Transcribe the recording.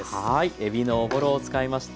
えびのおぼろを使いました